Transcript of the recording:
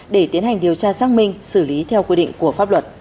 để tiến hành điều tra xác minh xử lý theo quy định của pháp luật